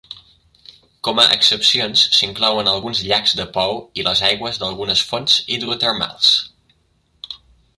Com a excepcions s'inclouen alguns llacs de pou i les aigües d'algunes fonts hidrotermals.